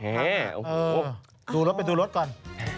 ดูรถไปดูรถก่อน